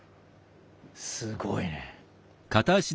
すごいね。